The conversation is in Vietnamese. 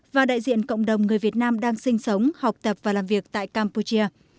và đại diện cộng đồng người việt nam đang sinh sống học tập và làm việc tại campuchia